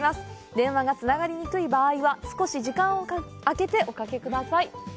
電話がつながりにくい場合は、少し時間を空けておかけください。